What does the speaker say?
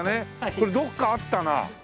これどこかあったな。